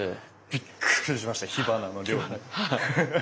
びっくりしました火花の量に。